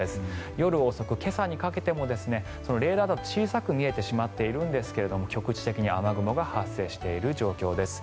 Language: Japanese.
夜遅く、今朝にかけてもレーダーだと小さく見えてしまっているんですが局地的に雨雲が発生している状況です。